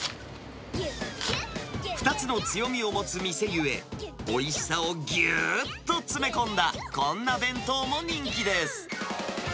２つの強みを持つ店ゆえ、おいしさをぎゅーっと詰め込んだこんな弁当も人気です。